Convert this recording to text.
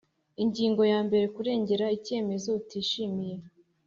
Ingingo ya mbere Kuregera icyemezo utishimiye